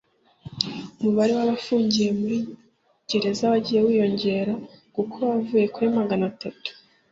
umubare w abafungiye muri gereza wagiye wiyongera kuko wavuye kuri magana atatu